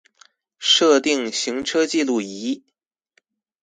設定行車記錄器